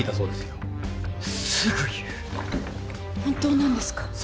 本当なんですか？